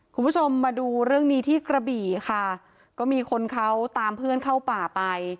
คุณผู้ชมมาดูเรื่องนี้ที่กระบี่ค่ะก็มีคนเขาตามเพื่อนเข้าป่าไป